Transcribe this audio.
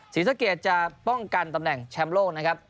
ศรีสะเกดจะป้องกันตำแหน่งแชมป์โลกนะครับ